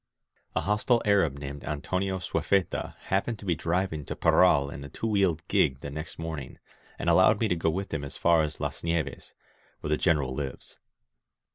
A hostile Arab named Antonio Swayfeta happened to be driving to Parral in a two wheeled gig the next morning, and allowed me to go with him as far as Las Nieves, where the Grenerrl lives.